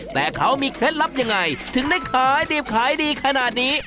แต่เขามีเคล็ดลับยังไงถึงได้ขายดิบขายดีขนาดนี้